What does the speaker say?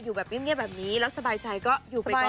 อยู่แบบนี้ไม่เงียบเลยแล้วสบายใจก็อยู่ไปก่อน